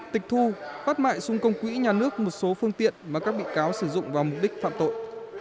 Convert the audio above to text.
tịch thu phát mại sung công quỹ nhà nước một số phương tiện mà các bị cáo sử dụng vào mục đích phạm tội